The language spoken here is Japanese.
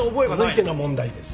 続いての問題です。